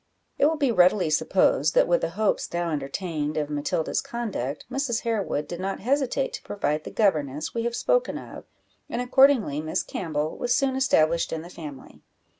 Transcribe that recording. It will be readily supposed that, with the hopes now entertained of Matilda's conduct, Mrs. Harewood did not hesitate to provide the governess we have spoken of, and accordingly Miss Campbell was soon established in the family.